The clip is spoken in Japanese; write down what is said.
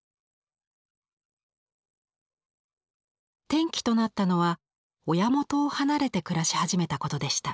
転機となったのは親元を離れて暮らし始めたことでした。